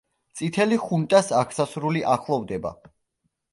წითელი ხუნტას აღსასრული ახლოვდება.